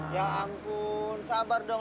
ya ampun sabar dong